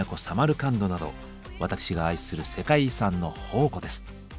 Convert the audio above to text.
サマルカンドなど私が愛する世界遺産の宝庫です。